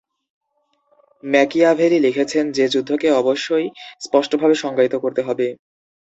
Machiavelli লিখেছেন যে যুদ্ধকে অবশ্যই স্পষ্টভাবে সংজ্ঞায়িত করতে হবে।